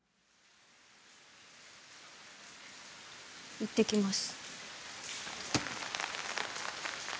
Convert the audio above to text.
いってきます。